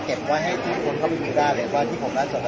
สวัสดีครับพี่เบนสวัสดีครับ